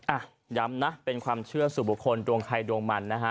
อ่ะย้ำนะเป็นความเชื่อสู่บุคคลดวงใครดวงมันนะฮะ